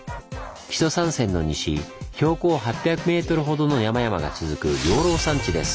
木曽三川の西標高８００ｍほどの山々が続く養老山地です。